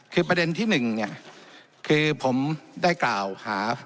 คือประเด็นที่๑เนี่ยคือผมได้กล่าวหา